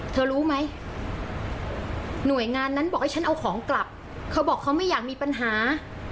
รู้ไหมหน่วยงานนั้นบอกให้ฉันเอาของกลับเขาบอกเขาไม่อยากมีปัญหา